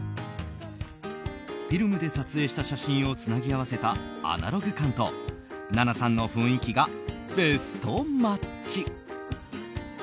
フィルムで撮影した写真をつなぎ合わせたアナログ感と七菜さんの雰囲気がベストマッチ。